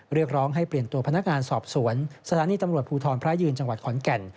เรียกร้องให้เปลี่ยนตัวพนักงานสอบสวนสถานีตำรวจภูทรพระยืนจังหวัดขอนแก่น